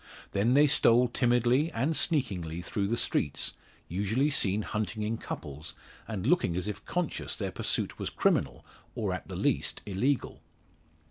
Then they stole timidly, and sneakingly, through the streets, usually seen hunting in couples, and looking as if conscious their pursuit was criminal, or, at the least, illegal.